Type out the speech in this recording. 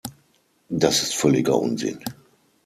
Das ist völliger Unsinn.